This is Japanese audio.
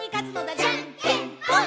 「じゃんけんぽん！！」